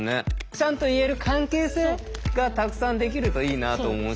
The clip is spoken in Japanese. ちゃんと言える関係性がたくさんできるといいなと思うし。